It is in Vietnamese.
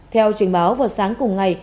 theo trình báo vào sáng cùng ngày